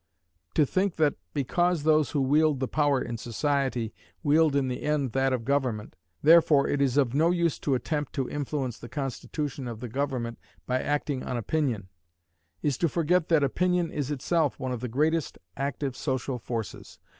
To think that, because those who wield the power in society wield in the end that of government, therefore it is of no use to attempt to influence the constitution of the government by acting on opinion, is to forget that opinion is itself one of the greatest active social forces.